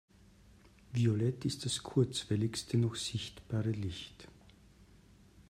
Violett ist das kurzwelligste noch sichtbare Licht.